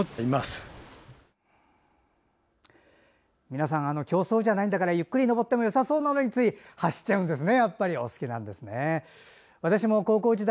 皆さん競争じゃないんだからゆっくり登ってもよさそうなのについ走っちゃうんですね。